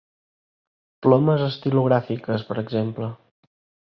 Plomes estilogràfiques, per exemple.